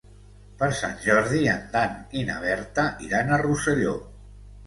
Per Sant Jordi en Dan i na Berta iran a Rosselló.